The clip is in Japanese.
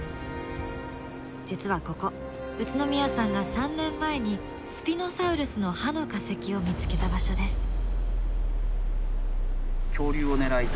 実はここ宇都宮さんが３年前にスピノサウルスの歯の化石を見つけた場所です。